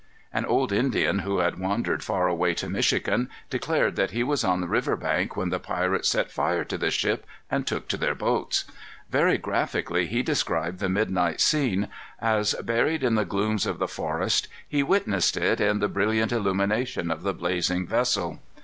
An old Indian, who had wandered far away to Michigan, declared that he was on the river bank when the pirates set fire to the ship and took to their boats. Very graphically he described the midnight scene as, buried in the glooms of the forest, he witnessed it in the brilliant illumination of the blazing vessel.